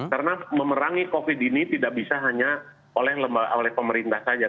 karena memerangi covid sembilan belas ini tidak bisa hanya oleh pemerintah saja